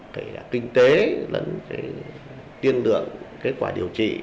cái kinh tế tiên lượng kết quả điều trị